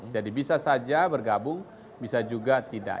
jadi bisa saja bergabung bisa juga tidak